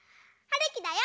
はるきだよ。